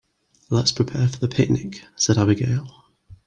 "Let's prepare for the picnic!", said Abigail.